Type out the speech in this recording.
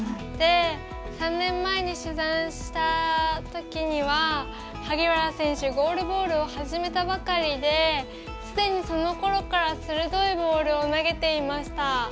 ３年前に取材したときには萩原選手ゴールボールを始めたばかりですでにそのころから鋭いボールを投げていました。